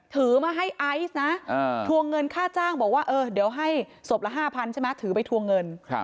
ถือมาให้ไอซ์นะทวงเงินค่าจ้างบอกว่าเออเดี๋ยวให้ศพละ๕๐๐ใช่ไหมถือไปทวงเงิน